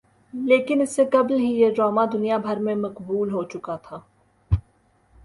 لیکن اس سے قبل ہی یہ ڈرامہ دنیا بھر میں مقبول ہوچکا تھا